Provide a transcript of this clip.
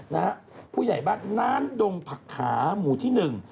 นะฮะผู้ใหญ่บ้านนานดงผักขาหมู่ที่หนึ่ง